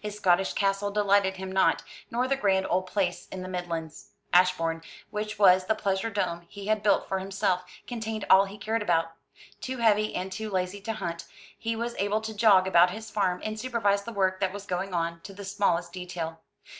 His Scottish castle delighted him not, nor the grand old place in the Midlands. Ashbourne, which was the pleasure dome he had built for himself, contained all he cared about. Too heavy and too lazy to hunt, he was able to jog about his farm, and supervise the work that was going on, to the smallest detail.